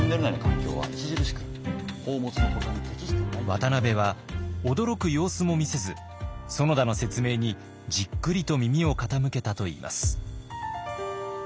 渡部は驚く様子も見せず園田の説明にじっくりと耳を傾けたといいます。